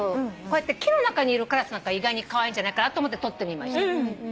木の中にいるカラスなんか意外にカワイイんじゃないかと思って撮ってみました。